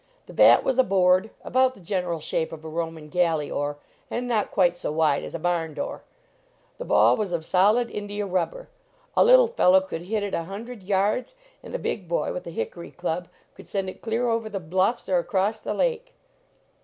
The bat was a board, about the general shape of a Roman galley oar and not quite so wide as a barn door. The ball was of solid India rubber; a little fellow could hit it a hundred yards, and a big boy, with a hickory club, could send it clear over the bluffs or across the lake.